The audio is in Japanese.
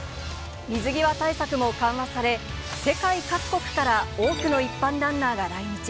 水際対策も緩和され、世界各国から多くの一般ランナーが来日。